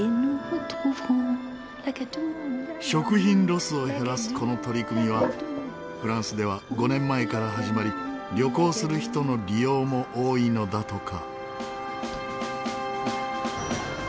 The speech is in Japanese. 食品ロスを減らすこの取り組みはフランスでは５年前から始まり旅行する人の利用も多いのだとか。